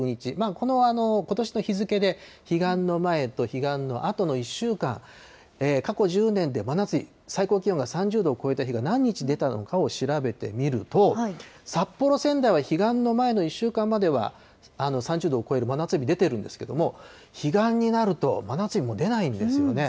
このことしの日付で彼岸の前と彼岸のあとの１週間、過去１０年で真夏日、最高気温が３０度を超えた日が何日出たのかを調べてみると、札幌、仙台は彼岸の前の１週間までは３０度を超える真夏日出てるんですけども、彼岸になると真夏日もう出ないんですよね。